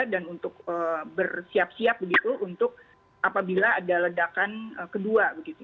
dan untuk bersiap siap begitu untuk apabila ada ledakan kedua begitu